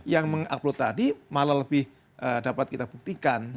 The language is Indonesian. yang mengupload tadi malah lebih dapat kita buktikan